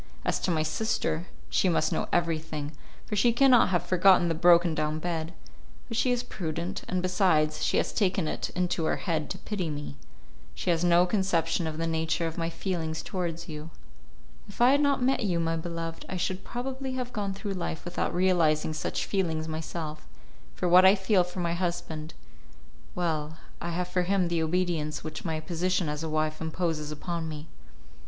As to my sister, she must know everything, for she cannot have forgotten the broken down bed; but she is prudent, and besides, she has taken it into her head to pity me. She has no conception of the nature of my feelings towards you. If I had not met you, my beloved, I should probably have gone through life without realizing such feelings myself; for what I feel for my husband.... well, I have for him the obedience which my position as a wife imposes upon me."